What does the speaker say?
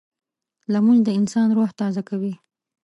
لمونځ د انسان روح تازه کوي